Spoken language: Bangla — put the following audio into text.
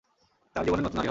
তার জীবনে নতুন নারী হওয়া।